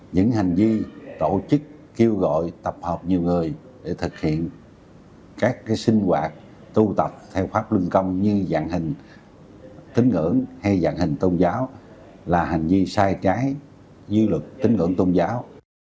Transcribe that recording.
những hành vi tổ chức kêu gọi tập hợp nhiều người để thực hiện các sinh hoạt tu tập theo pháp lưng công như dạng hình tính ngưỡng hay dạng hình tôn giáo là hành vi sai trái như luật tính ngưỡng tôn giáo